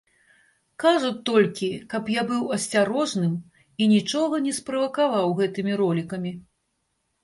Кажуць толькі, каб я быў асцярожным і нічога не справакаваў гэтымі ролікамі.